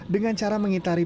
dengan cara mengitari